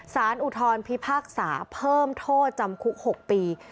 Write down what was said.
อุทธรพิพากษาเพิ่มโทษจำคุก๖ปี